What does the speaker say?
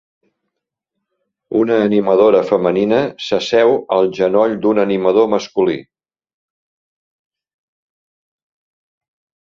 Una animadora femenina s'asseu al genoll d'un animador masculí.